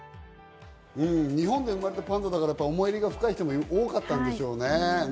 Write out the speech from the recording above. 日本で生まれたパンダだから、思い入れが深い人も多かったんでしょうね。